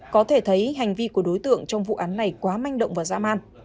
có thể thấy hành vi của đối tượng trong vụ án này quá manh động và dã man